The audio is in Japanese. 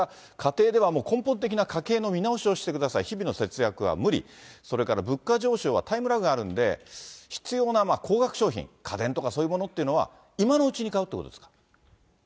家庭ではもう根本的な家計の見直しをしてください、日々の節約は無理、それから物価上昇はタイムラグがあるんで、必要な高額商品、家電とかそういうものっていうのは、今のうちに買うっていうことですか？